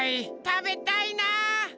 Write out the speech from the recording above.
たべたいな！